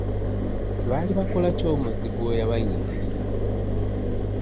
Baali bakola ki omuzigu we yabayingirira?